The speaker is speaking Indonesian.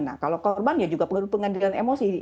nah kalau korban ya juga perlu pengadilan emosi